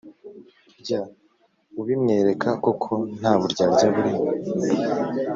jya ubimwereka koko nta buryarya burimo,